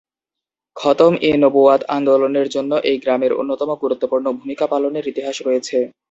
খতম-ই-নবুওয়াত আন্দোলনের জন্য এই গ্রামের অন্যতম গুরুত্বপূর্ণ ভূমিকা পালনের ইতিহাস রয়েছে।